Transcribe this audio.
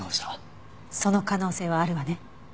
その可能性はあるわね。